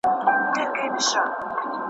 هره ورځ حلالیدل غوايی پسونه !.